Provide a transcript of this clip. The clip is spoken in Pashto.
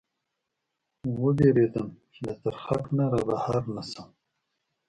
و وېرېدم، چې له څرخک نه را بهر نه شم.